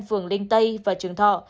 phường linh tây và trường thọ